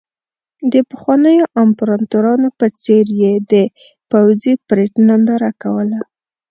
د پخوانیو امپراتورانو په څېر یې د پوځي پرېډ ننداره کوله.